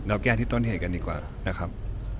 แก้ที่ต้นเหตุกันดีกว่านะครับ